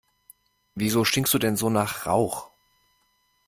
Wieso stinkst du denn so nach Rauch?